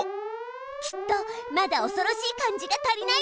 きっとまだおそろしい感じが足りないのよ。